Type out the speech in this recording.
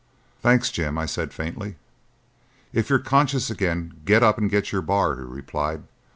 "Thanks, Jim," I said faintly. "If you're conscious again, get up and get your bar," he replied.